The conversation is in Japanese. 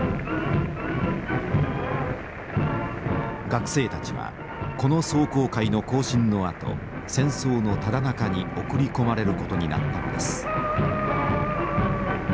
学生たちはこの壮行会の行進のあと戦争のただ中に送り込まれることになったのです。